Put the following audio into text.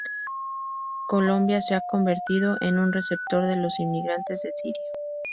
Colombia se ha convertido en un receptor de los inmigrantes de Siria.